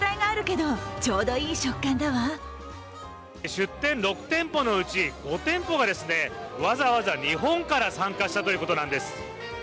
出店６店舗のうち５店舗がわざわざ日本から参加したということなんです